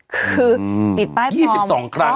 คือติดป้ายปลอม๒๒ครั้งอะ